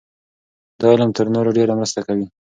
دا علم تر نورو ډېره مرسته کوي.